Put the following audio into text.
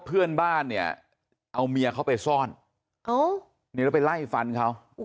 เพื่อนบ้านเนี่ยเอาเมียเขาไปซ่อนนี่แล้วไปไล่ฟันเขา